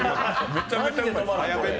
めちゃめちゃうまい。